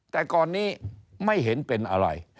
แต่ก่อนนี้ไม่เห็นเป็นอะไร